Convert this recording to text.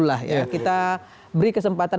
kita beri kesempatan pemerintah memberikan kesempatan